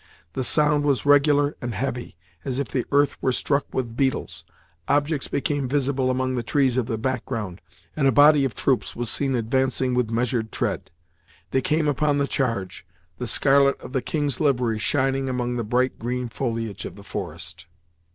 The sound was regular and heavy, as if the earth were struck with beetles. Objects became visible among the trees of the background, and a body of troops was seen advancing with measured tread. They came upon the charge, the scarlet of the King's livery shining among the bright green foliage of the forest.